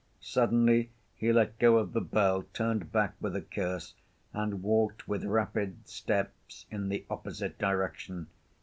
Suddenly he let go of the bell, turned back with a curse, and walked with rapid steps in the opposite direction.